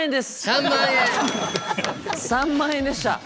３万円でした。